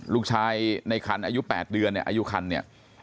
ลูกชายในคันอายุ๘เดือนเนี่ยอายุคันเนี่ย